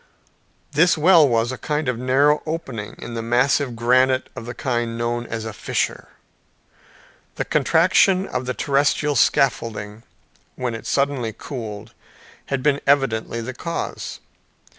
This well was a kind of narrow opening in the massive granite of the kind known as a fissure. The contraction of the terrestrial scaffolding, when it suddenly cooled, had been evidently the cause.